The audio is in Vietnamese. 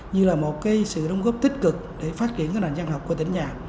như là một sự đóng góp tích cực để phát triển nền văn học của tỉnh nhà